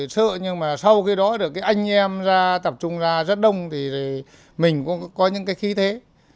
sợ nhưng mà sau khi đó được cái anh em ra tập trung ra rất đông thì mình cũng có những cái khí thế